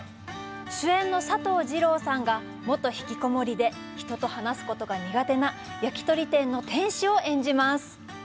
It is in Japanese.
主演の佐藤二朗さんが元・引きこもりで人と話すことが苦手な焼き鳥店の店主を演じます。